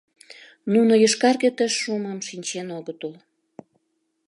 Нуно йошкарге тыш шумым шинчен огыт ул.